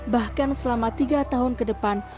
bahkan selama tiga tahun ke depan